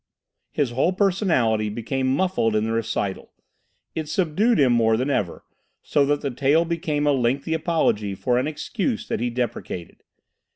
His whole personality became muffled in the recital. It subdued him more than ever, so that the tale became a lengthy apology for an experience that he deprecated.